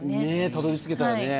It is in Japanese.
たどり着けたらね。